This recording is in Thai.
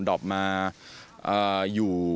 ดอปมาอยู่